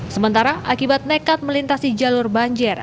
sementara akibat nekat melintasi jalur banjir